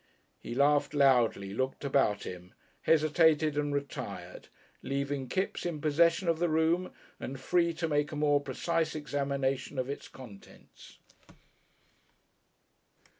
He laughed loudly, looked about him, hesitated and retired, leaving Kipps in possession of the room and free to make a more precise examination of its contents.